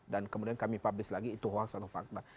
dan kemudian kami publis lagi itu hoax atau fakta